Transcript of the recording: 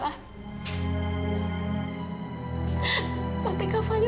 kak fadil juga boleh bohong sama mila